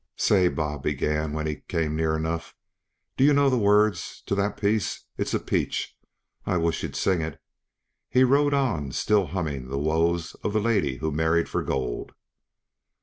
"Say," Bob began when he came near enough, "do yuh know the words uh that piece? It's a peach; I wisht you'd sing it." He rode on, still humming the woes of the lady who married for gold.